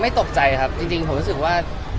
ตกใจครับจริงผมรู้สึกว่า